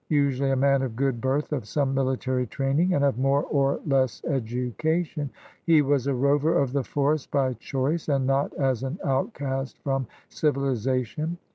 Usually a man of good birth, of some military training, and of more or less education, he was a rover of the forest by choice and not as an outcast from civilization.